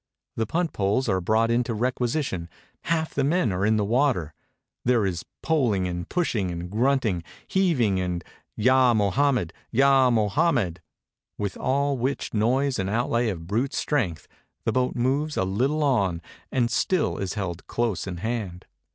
The punt poles are brought into requisition; half the men d.re in the water; there is poling and pushing and grunting, heaving, and "Yah Mohajnmed, Yah Mohainmed," with all which noise and outlay of brute strength, the boat moves a little on and still is held close in hand.